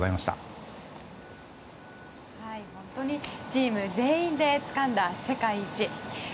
チーム全員でつかんだ世界一です。